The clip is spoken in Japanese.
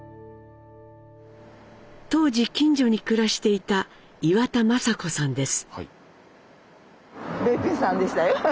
当時近所に暮らしていた岩田昌子さんです。